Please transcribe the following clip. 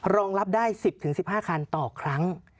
รองรับได้๑๐๑๕คันต่อครั้ง